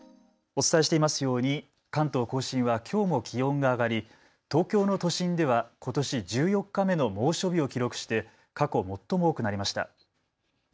お伝えしていますように関東甲信はきょうも気温が上がり東京の都心ではことし１４日目の猛暑日を記録して過去最も多くなりました。